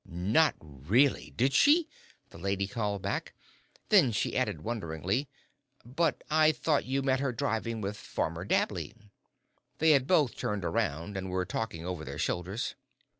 "Not really did she?" the lady called back; then she added, wonderingly, "but I thought you met her driving with Farmer Dabley?" They had both turned around, and were talking over their shoulders.